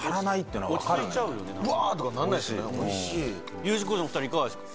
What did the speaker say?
Ｕ字工事のお２人いかがですか？